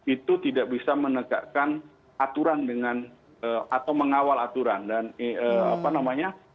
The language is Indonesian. itu tidak bisa menegakkan aturan dengan atau mengawal aturan dan apa namanya